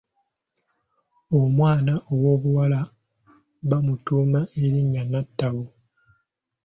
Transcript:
Omwana owobuwala baamutuuma erinnya Natabo.